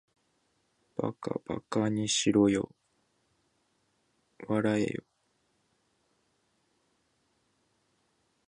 馬鹿ばかにしろよ、笑わらえよ